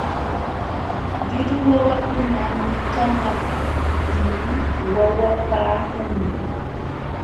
Llullu wawakuna mikanaptin wawapaakunmi.